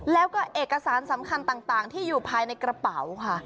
แล้วก็เอกสารสำคัญต่างที่อยู่ภายในกระเป๋าค่ะ